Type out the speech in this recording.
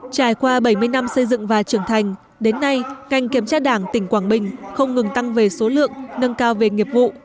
trải qua bảy mươi năm xây dựng và trưởng thành đến nay ngành kiểm tra đảng tỉnh quảng bình không ngừng tăng về số lượng nâng cao về nghiệp vụ